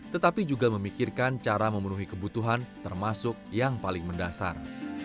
tetapi juga memikirkan cara memenuhi kebutuhan termasuk yang paling mendasar